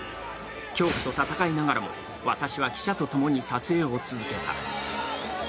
恐怖と闘いながらも私は記者と共に撮影を続けた。